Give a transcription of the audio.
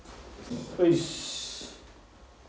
よし。